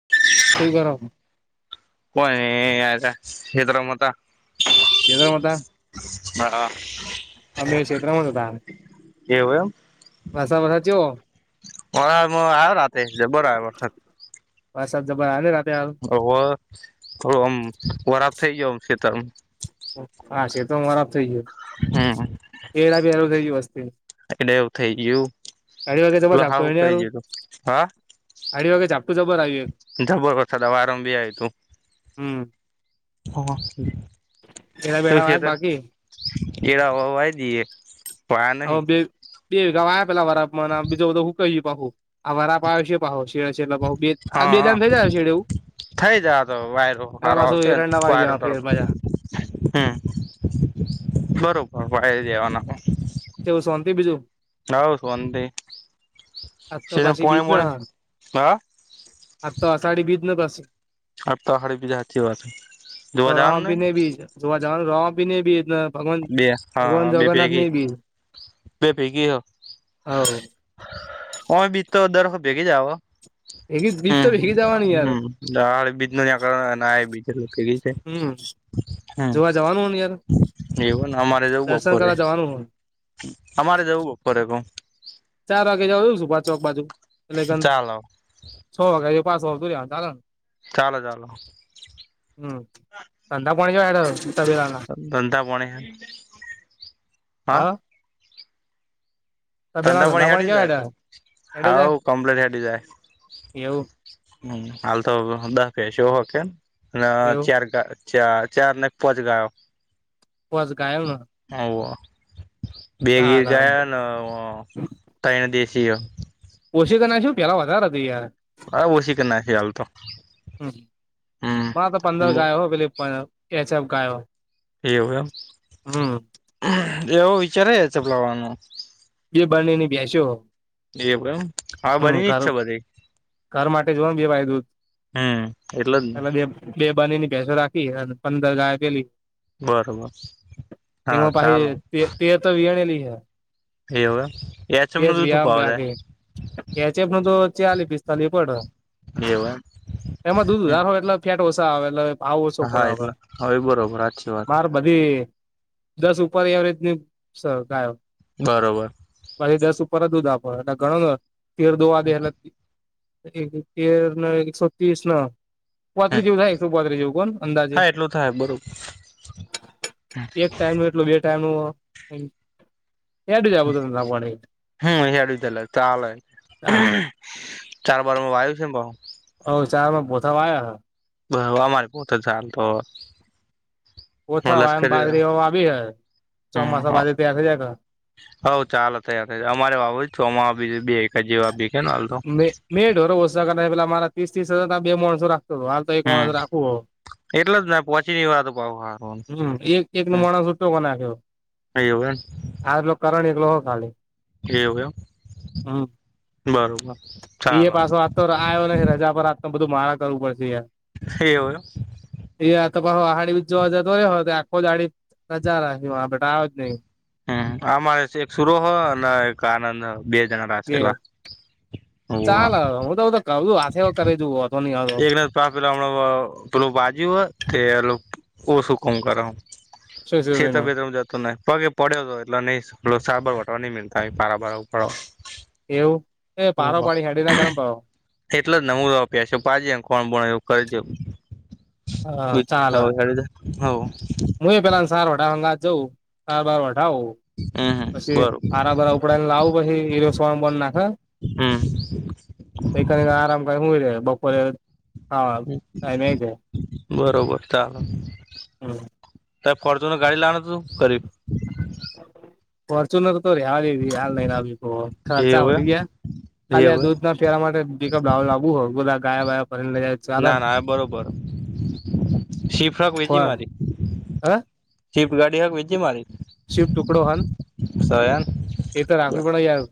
[inaudible] શું કરો? [unintelligible] [unintelligible] હતા. હા અમે ક્ષેત્ર માં જ હતા. કેવું એમ. [unintelligible] [unintelligible] વરસાદ જબર આવે રાતે હાર [unintelligible] થોડું આમ વરાફ થઈ ગયું આમ ખેતર. હા છેે તો [unintelligible] થઇ ગયું. હમ [unintelligible] એટલે એવું થઇ ગયું. અઢી વાગે જબર ઓલું હાવ ઝાપટું એને હારું ગયું તું હા. અઢી વાગે ઝાપટું જબર આવ્યું એક [unintelligible] હમ્મ. હા. એડા બેડા શું થયું વાયા તું? બાકી કેળા હવે વાઈ દઈએ. વાયા નહીં [unintelligible] બીજું બધું હૂકાઈ [unintelligible] હા [unintelligible] થઈ જા તો [unintelligible] તારા પાછું એરંડા વાવી દેવા ફેર પાછા હમ્મ. બરોબર [unintelligible] કેવું શાંતિ બીજું? નાવ શંત આજ સ તો પાછી બીજ પોણી ના પોણી હ. આજ તો અષાઢી બીજ ન પાસે અ તોહાડી બી જતી વાત, તો જોવાજનું રામાપીર નહી? ને બીજ જોવા જવાનું રવા પીને બી બે હા બે ભેગી બે ભેગી. હવ કોય બી તો દરસો ભેગી જાવ. ભેગી હ, તો ભેગી બીજ જવાની યાર ન બીજ થઈ ગય હમ છે. જોવા જવાનું હો ને યાર. એવ અમારે જવ બ ફોરે. હમ અમારે જવું ઉપરે કો. ચાર વાગે જવાું છું પાંચ વાગ બાજુ એટલે કે ચાલો છ, વાગ્યા પાંચ વાગ્યા તો રહ ચાલે ને? ચાલો ચાલો. હમ ધંધા પાણી કેવા હેડે તબેલા ના દંધા પાણે છે. હા? તબેલા ના તંદાપણી ધંધા પાણી હેડી કેવા જાય હેડે ક, હેડે હા જાય કમપ્લેટ હેડી જાય. એવું? હ હાલ તો દસ પ છે, એ હો કે એવું ચાર ચાર ચાર ને એક પોચ ગાયો. કોસ ગાયો ન. હ બે ગીર ચાલે ગયાને તને દેશી. ઓછી કર ના શું પેલા વધારારે હતા યાર. હરે ઓછી કે ના શ હાલ તો. હમ્મ, હમ્મ માં તો પંદર હમ ગાયો પેલી એચ એફ ગાયો. કે એવું હમ એમ એવો વિચારે ચપલાવાનું. બે બનેની બેસ્યો. એ પણમ હા હમ બની ની જ ખરું છે બધી. ઘર માટે જોઓ ને બે બાય દૂધ, હમ જ ને એટલે બે બે બાની ની ભેસો રાખી અને પંદર ગાય પેલી. બરોબર હા, એમાં ચાલ. પાછી તેર તો વણેલીઈ હ. એયો? બાકી એચફ ન તો ચાલી પિસ્તાલી પડ. એવું એમ. એમાં દૂધ વધારો એટલે ફેટ ઓછા આવે એટલે ભાવ ઓછો હા પડે હા આપડે એટલે હવે બરોબર હાચી વાત માર બધી દસ ઉપર એવરેજની સ ગાયો. બરોબર. પાહિ દસ ઉપર જ દુંધ આપો એટલે ઘણો તેર દોવ આગે એટલે એક તેર ના એકસો ત્રીસ ના. હમ પાત્રી જેવુ થાય એકસો પાત્રી જેવું કોણ અંદાજે. હા, એટલું થાય બરો એક ટાઈમ નું એટલ બે ટાઈમ નું એડ જાએ બધું લાગવાન. હમ્મ, હેડુ તલે ચાલે હા ચાર બારમાં વાયુ છે એ ભ અહ ચારામાં પોથા આવ્યા હ. બ અમારે પોતે જાલ તો. હું ઓછા વાયન લશ્કરી બાજરી એ આવી હ ચોમાસા બાદ એથી જાય. હઉ ચાલો થયાાર થયા અમારે વાપ ચોમાી બે એક જેવા બીખે ના હાલ તો. જા કરે પેલા મારા ત્રીસ તસજાર બે માણસો રાખતો હતો હ. તા એક હમ માણસ રાખું એટલે જ ને પહોંચી ની વાર તો પાવ હારું હમ્મ એક. એક નો માણસ ઉટો કો નાખ્યો. આયો એમ. આજલો કરણ એકલો હો ખાલે. એવું એમ બરોબર. એ ચાલો પાછો આતો આવ્યો નથી રજા પર આતો બધું મારા કરવું પડતી હે. એવું હે. એ તો પ હાડી બી જોજ તોયો હો આખો દાડે રજા રાહે આવજ આયો નહી. હમ્મ આ મારે એક સુરો હો અને એક આનંદ હ. બે જણા રાખેલા હુવા. હ હું તો હ તો કું આેવા કરે દઉ વાંધો નહીં આવે હ. તેના તા પહેલા હમણાં હો પલો બાજુ હ તે ઓછું કામ કરે. શું શું શેતર બેતર માં જાતો નેહ. પગે પડ્યો તો એટલો નહી સાબર વટો નહ મતા પારા ભાર ઉપાડ. એવું એ પારો પાડી હાડી નાખમ પાવ. એટલો ને હું પૈસો પાજે કોણ બોણ એવું કર દઉ. હા ચાલ હઓ. હું એ પેલા સાર વઢાવા ગા જઉં સાર બાર વાર વઢાઊં. હમ પછી બરોબર હરા ભરા ઉપડાવને લાવું પછી એરોસવાનું બંધ નાખડે. હમ એ કલ ને આરામ કઈ હુઈ રે બપોરે હા અહીં નહીં કે. બરોબર ચાલો. હમ્મ. તે ફોર્ચુનર ગાડી લાને તું કરીબ. ફોર્ચ્યુનર તો આલ એવી હાલ નહી આવી હો. ખર્ચા એવું વધી ગયા એમ ખાલી એવું આ એમ દૂધ ના ફેરા માટે જે ભાવ લાવવું હોય બધા ગયા વા ફરીને લ જાય. ચાલન ના ના બરોબર શીફ્રક વેચી મારી. હા. ચીપ ગાડી હક વચે મારી. શિવ ટુકડો હ. શયન. એ તો રાખવી પડે યાર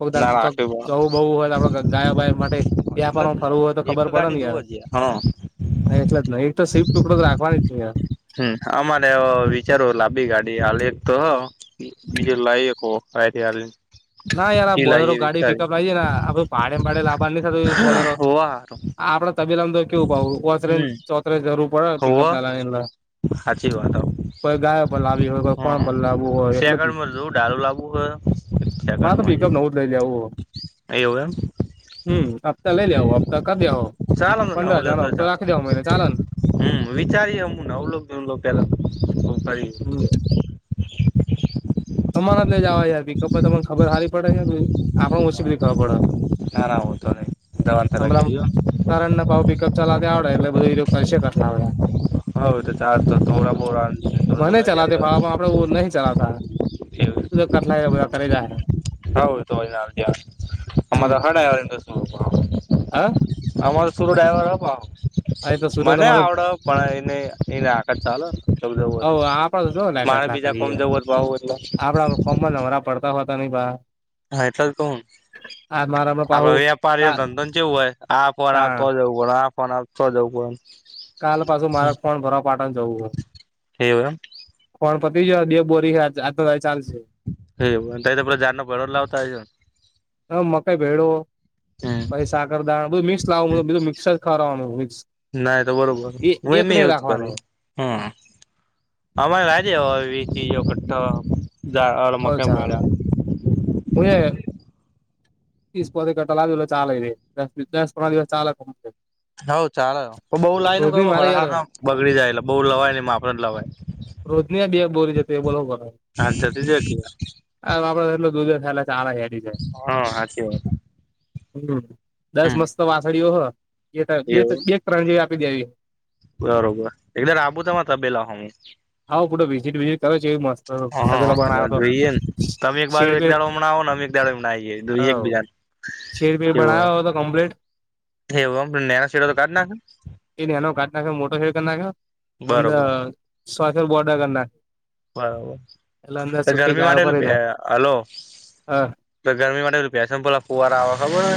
જવું બવુ હોય આપ ગયા બાય માટે. તએ પણ એટલે આપણ જ ને ફરવું હોય તો એક ખબર પડે ગાડી ને યાર. જોવ જ હા હા એટલે જ નહી એક તો સિફ ટુકડો તો રાખવાનો જ ન. હમ્મ, અમારે એવો વિચારો લાભી ગાડી હાલ એક તો. બીજે લાઇ હકો. ના યાર બોલેરો ગાડી પીકઅપ લ જે ને આપે ભાડે ભાડે લાબારની બોલેરો. આ હોવ હારું આપડડા તબીલામાં તો કેવું ભાવુ ઓતરે હમ ચોતરે જરૂર પડે પિકઅપ ડાવાની અંદર. હાચી વાત હાવો. લાવી હોય કોઈ કોણ પર લાવવું હમ હોય એટલે જ. શેકળ મ જો ડાળું લાવવું હોય. મા તો સેકન્ડમાં પિકઅપ નવુંજ લઈ લે આવું. હમ. હમ હફતા લે લે હફતા કર દ્યા હો. ચાલ નવ લેતો ચાલ. ને હમ વિચારીએ હું અવલોકલો પેલા કરી. હમ તમારા જને જવા યાર પિકપ તમને ખબર સારી પડે આપણને ઓછી બધી ખબર પડે. ના ના હો તો નહી. દવા તરફ હમળં ગયો કારણ ને પાાવ પિકઅપ ચલાવતા આવડે એટલે બધું કરશે કરટલા આવડે. હ તો આ તો થોડા બોરાો ધોડા. આપ નહી ચલાતા. [unintelligible] કથલાઈ કરે જા હૈ. તો તો હાડાવર શું. હા તમામારો શર ડ્રાઈભર હ પા. અરે તો સુરત મને અમારો આવડ પણ એને એને આખત ચાલ જવું હત. આપડ તો શું લાગેટ. કોમ જવર ભાવ ઉપ. [inaudible] આપડા કોમન હમરા પડતા હોતા નહિ ભ. હા એટલે જ કહું મારામાં પાહુ આપડે વેપારીઓ કા ધંધો ચેવું હોય આ ફર આ ફર એવું. પોણા પણ આપતો જઉ પણ. કાલ પાછું મારે કોણ ભર પાટણ જવું હો. પડે એવું કોણ પતિ જ દે બોરી આજ તો ચાલશે. હેવ અંતઈ જાન બરોર લ આવતા જ. હ મકાઈ ભેડો ને હમ પછી સાકરદાણા બધું મિક્સ લાવું બધું મિક્સ જ ખ મિક્સ. ના તો બરોબર એ હું એક એમ નહી એવુંજ કર. રાખવાનું હમ અમારે લે આવીવી ત્રીજોખ. જાાય ઓ હ મક્યા ચાલે ભડા. હું. તસ પોતે કેટલા આ દ ચાલસ ચાલ ક. હઉ ચાલે પણ બઉુ લાઈનું ક મારે યાર વરસાામાં બગડી જાય એટલે બઉ લવાય ને માપડ જ લવાય. રોજની બે બોરી જતી એ બોલો બ. હ હા જતી જ આપડે એટલ દૂધ થલા ચારા હેરી છે હા સાચી વાત હમ. દસ મસ્ત વાસળીઓ હ એ બે એવું બે ત્રણ જેવી આપી દેવી. બરોબર એકદર આબુતામાં તબેલા હો હું. આવો પૂટો વિઝિટ વિઝિટ કરો છે એવી મસ્ત હા પેલો એટલે બનાવ તો જોઈએને તમે એક બાજુ એક શેડબેડ દાડો હમણાં આવ નેમે. ના એક બીજા. શેર પીર બનાયાય તો કમ્પ્લીટ. એમ નાના શીડ તો કાઢ નાખે. એ નો કાઢના મોટો શેડ કરના બરોબર અરો બોડર કરના. બરોબર ગરમી ગાયો માટેલું પ ફરી જાય હલો. હ તો ગરમી માટે એપ્યા છે ને પોલા પુવાર આવે ખબર હો.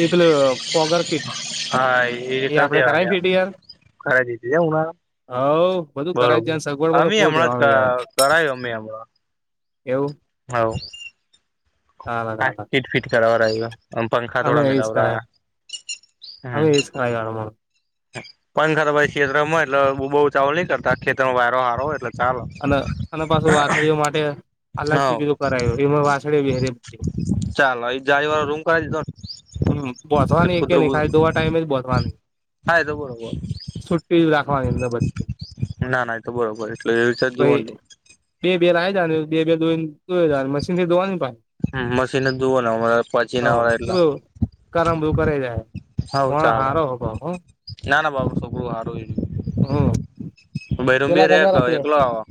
એ પેલું ફોગર કીટ હા એ આપડે કરાવી સધ્યાવાલ્યા. ખરા દીધજ હણા. હઉ બધું કરાઈ જાય ને સગવડ માં તો ફૂલ દેવાનું યાર. કરાયો અમેમો. એવું. હવ. હાલ આ હાલ ફિટ ફિટ કરાવ પંખા અમે થોડા એજ મલાવ હમ. આઈગાડુમા. પંખર ભાઈ કષેત્ર માં એટલે બહુ ચાવોલી કરતા ખેતમાં વારો હારો એટ. અને અને પાછું વાછડીઓ માટે હ અલગથી બીધું કરાયું એ વાછળ વહેરી. ચાલ જાણીવારો રૂમ કરાવીદીધો. હમ બોંસવાની કે નહી ખાયદોવા ટાઈમે જ બાધવાની. હા તો બોબો. અંદર બધી ના ના એ તો બરોબર એટલે એવી રીતે જોવ. બેર આ જા બેર દોઈ દો મીન થી દોવાની ભ. હ મશીનને દુવ ના પછી ના આવ હવ એટલા. બધું કરમ બધું કરે જાય. હા માણહ ચાાલ હારો હ પણ હો ના ના બાબુ છોપડું હારું. હમ પેલા ભૈરુંબિર એક કરતા નથી એકલો આવે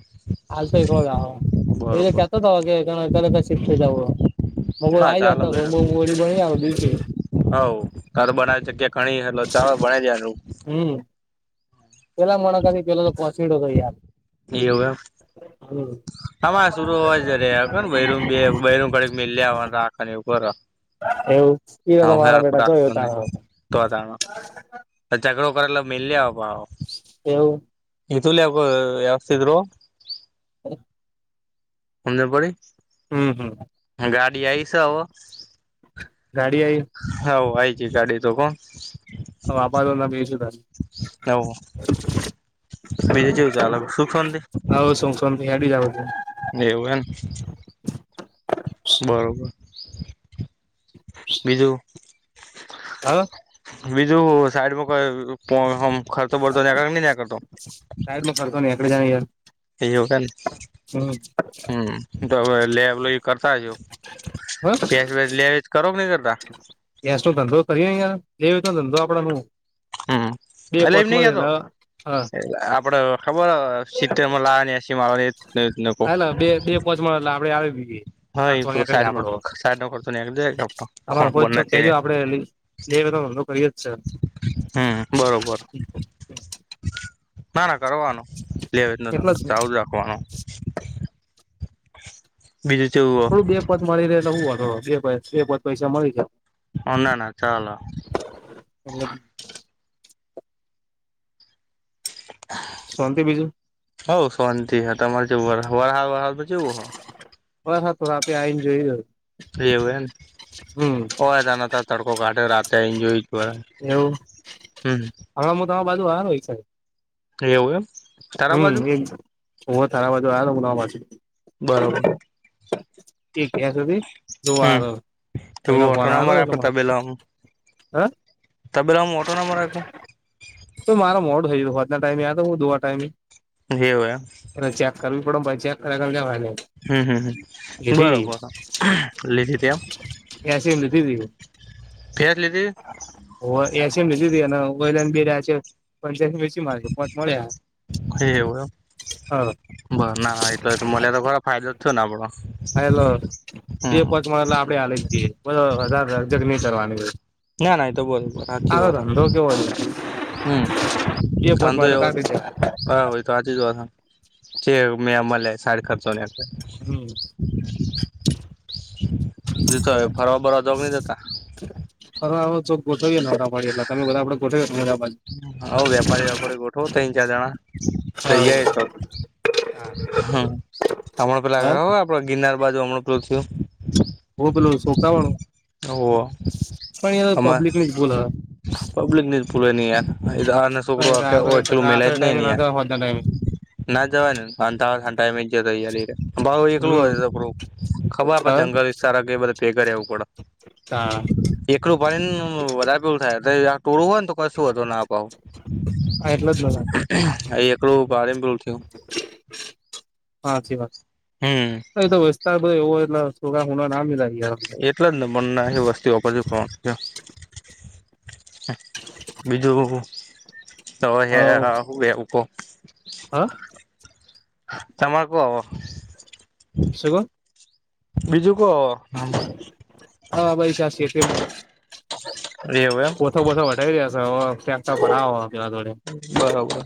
બરોબર. શુ કહોકે તરદ લિફટ થઈજવુ ના હે ચાલો તો બૈરું આવી જાવી બીજુ શુ. હવ ઘર બનાવે જગ્યા ખણી એટ ચાવ બનાવી દેવાનુ. હમ પેલા મણકાથી પેલા તો પહોચીડ્યો હતો યાર. એવુ એમ. હમ આમારે શરૂ હોવા જ રહ ને બ રમ બ રમ કડીક મિ લ્યાવાનું. રાખને એવું ઉભારો. એવું તો મારા બેટા જો રાખતો એવું નઈ તણ. તો ચકડો કરલા મલ્યો પાવે. એવું. ધુલ્યાકો વ્યવસ્થ્રું. [unintelligible] હમજન પડી. હમ હમ. ગાડી આવી છે હવે. ગાડી આઈ. હ આય છે ગાડી તો હો. હવે આ આપાારો ના બે શું સત. હવ બીજું જોવું છે સુખ શાતિ. હવ સુખ શાતી હેડી આવે છે. એવ એ બરોબર. બીજું. હા. બીજું સાઈડમાં કોઈ ખર્ચો પડતો નીકડી ત્યાં કાતો. સાહેબ ફડતો નને એક જાર. વક હમ લેબ લ. કરતા છેું હ પેસ વે લે વેજ કરો કે નહી કરતા. ગેસ નો ધંધો કરીાર લેવી તો ધંધો આપણા ન. હમ એટ એમ નઈ ગયા તો હા આપડે. ખબર સીત લાની આસી માન. હ બે પોચમાંટ આપડે આવી. હા સા એ તો અહિયાં જ સાઈડમાં આપડો સાઈડ નો ખર્ચો નીકળી જાય તમારે હો ખ કેજો આપડે. એ બધ ધંધો કયુ જ છે. હમ બરોબર. ના ના કરવાનું લે એટલે જ ચજ રાખવાનો. બીજું ચવઓ. પત મળી રહેે એટલે શું હતો બે પ જ પૈસા મળી જાય. હનાના ચાલ. હમ. [inaudible] શાંતિ બીજું. હઉ શાંતિ હ તમારે જે વરાહ વ તો જેવું હ. બ હા તો રા આપે આવીને જોઈ. એવું હમ હોતા ના હતા તડકો કાઢે રાતે એન્જોય. એવું હવે હ તો આ બાજુ હાર હોય છે. એવું એમ. તારા હમ બાજુ એક હો તારા બાજુ આવ ઉના પાછી. બરોબર. એ ક્યાં સુધી જોવા હમ કઈનો ઓટો ફોન ના આવો મરે આપડે તમારે. હા. ત બેલા હું ઓટો નામાં રાખમ. તો મારા મોડ થય હોના ટાઈમે દોવા ટાઈમે. હવય. એલે ચેક કરવી પડેમ ભછાઈ ચેક કરે કર જવા. હમ હમ હમ બરોબર લીધી ત આમ. એસી માં પર લીધી. એસીમ લધધ એ વલાને બી રહ્યા છે. મારી પોંચ મળ્યા એવું એમ હ હા બ ના ના એ તો ત મને તો ખરાબ. ફાયદો થયો ને આપણો. હ એલો બે પોચ આપડે હલી જ જઈએ બ વધજગ ન કરવાની. ના ના એતો બોબ હથીી આનો વા ધંધો કેવો છે હમ. બે પોંચ ખાંધો મળે એટલે એવ કાઢી દેવાય હા હોય. તો આ જ ચ મેં અમ સાડ ખર્ચવને. હમ ફરવા બરો જગણી જ. હાવે ચોક ગોઠવીએ ને અદરાવાાડી એટલા તમે બધા આપડે ગોઠવીમરાબા. હ વેપારી વેપારી ગોઠવ ન ચાર જણા તો ઈ સ. હ અમળ હ પલા હ આપ ગિનાર બાજુ અમળ પેલો થું. ઓ પેલો સુોખવાણું ઓહો પણ આમાં પબ્લિક ની જ બોલ. પબ્લિક ન જ ભૂલે ન આ હ રાત્રે છોકરોલું મલા જ ન ન. ટાઈમે ના જવાય હોજના ટાઈમે ના જવાનું ટાઈમે જય ભ એકલું હમ હોય તોું. ખબર આપે હા જંગલ વિ સારા કે બધ. વું પડે એકડું ભને વધારેવું થાય. ટોળું હોય ને તો કઈ શું હતું નાપાવ. એટલે જ ને અ એકડો બારે બલ થયો. હા છેી વાત. હમ. એ તો વસ્ાર એવો એટ સુગા હુણા ના મિલા. એટલે જ ને બને એ વસ્તી ઉપ પર પહોંચ. બીજું. તો હવેકો. હા. તમામાકુ આવ. શગો. બીજું કો. હા ભાઈ ત્યાં શેતી રવ એમ. દક દોડે. બરોબર.